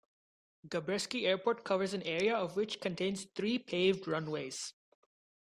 Gabreski Airport covers an area of which contains three paved runways.